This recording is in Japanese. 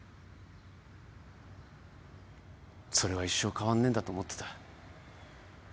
それは一生変わんねえんだと思ってた。